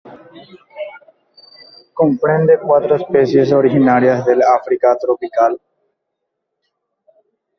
Comprende cuatro especies originarias del África tropical.